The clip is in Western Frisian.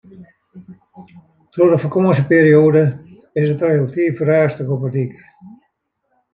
Troch de fakânsjeperioade is it relatyf rêstich op 'e dyk.